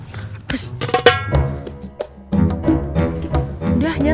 gimana mau diancam